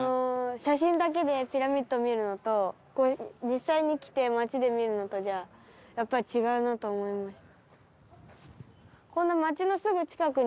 写真だけでピラミッドを見るのと実際に来て街で見るのとじゃやっぱり違うなと思いました。